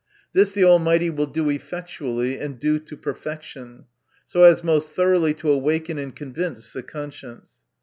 This the Almighty will do effect ually, and do to perfection, so as most thoroughly to awaken and convince the conscience.